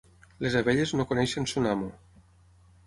Les abelles no coneixen son amo.